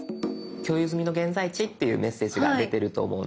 「共有済みの現在地」っていうメッセージが出てると思うんです。